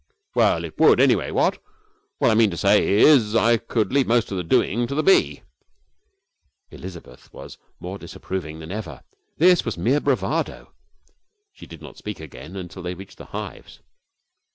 'Well, it would, anyway what? What I mean to say is, I could leave most of the doing to the bee.' Elizabeth was more disapproving than ever. This was mere bravado. She did not speak again until they reached the hives.